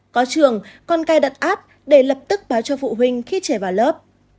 có trường còn cài đặt app để lập tức báo cho phụ huynh khi trẻ vào lớp